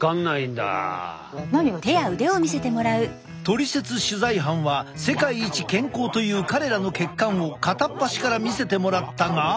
「トリセツ」取材班は世界一健康という彼らの血管を片っ端から見せてもらったが。